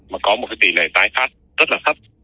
mà có một cái tỷ lệ tái phát rất là thấp